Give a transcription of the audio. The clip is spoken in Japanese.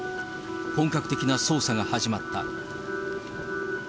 本格的な捜査が始まった。